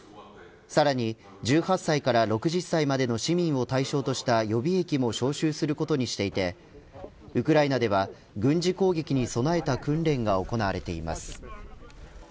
さらに１８歳から６０歳までの市民を対象とした予備役も招集することにしていてウクライナでは軍事攻撃に備えた訓練が行われています。